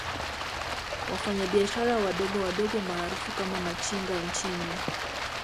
Wafanya biashara wadogo wadogo maarufu kama Machinga nchini